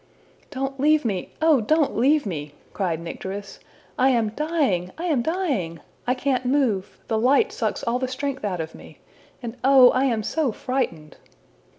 '' ``Don't leave me; oh, don't leave me!'' cried Nycteris. ``I am dying! I am dying! I can't move. The light sucks all the strength out of me. And oh, I am so frightened!''